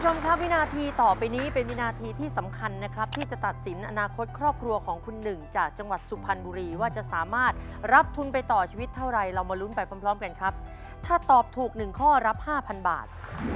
คุณผู้ชมครับวินาทีต่อไปนี้เป็นวินาทีที่สำคัญนะครับที่จะตัดสินอนาคตครอบครัวของคุณหนึ่งจากจังหวัดสุพรรณบุรีว่าจะสามารถรับทุนไปต่อชีวิตเท่าไรเรามาลุ้นไปพร้อมพร้อมกันครับถ้าตอบถูกหนึ่งข้อรับห้าพันบาท